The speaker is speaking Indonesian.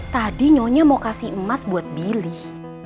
tadi nyonya mau kasih emas buat billy